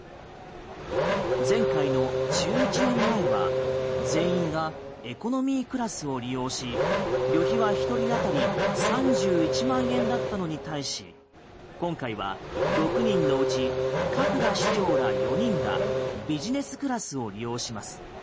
前回の１１年前は全員がエコノミークラスを利用し旅費は１人当たり３１万円だったのに対し今回は６人のうち角田市長ら４人がビジネスクラスを利用します。